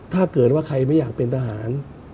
ถ้าเกิดว่าใครไม่อยากเป็นทหาร